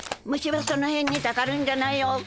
虫はそのへんにたかるんじゃないよ。